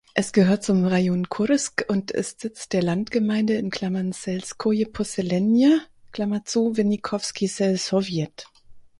Es gehört zum Rajon Kursk und ist Sitz der Landgemeinde "(selskoje posselenije) Winnikowski selsowjet".